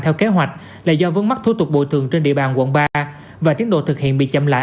theo kế hoạch là do vướng mắc thu tục bồi thường trên địa bàn quận ba và tiến độ thực hiện bị chậm lại